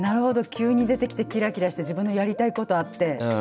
急に出てきてキラキラして自分のやりたいことあって。